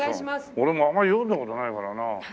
俺もあまり読んだ事ないからな。